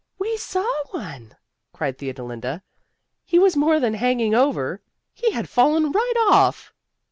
"We saw one!" cried Theodolinda. "He was more than hanging over he had fallen right off!"